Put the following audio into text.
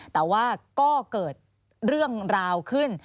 แต่ว่าก็เกิดเรื่องราวขึ้น